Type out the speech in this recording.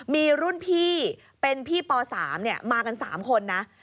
มีรุ่นพี่เป็นพี่ป๓มากัน๓คนนะ